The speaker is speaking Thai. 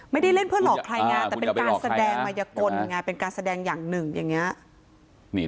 ไม่ได้เล่นเพื่อหลอกใครไงแต่เป็นการแสดงมายกลไงเป็นการแสดงอย่างหนึ่งอย่างนี้